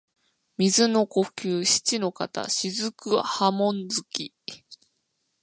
水の呼吸漆ノ型雫波紋突き（しちのかたしずくはもんづき）